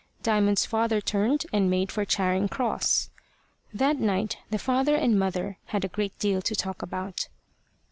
Diamond's father turned, and made for Charing Cross. That night the father and mother had a great deal to talk about.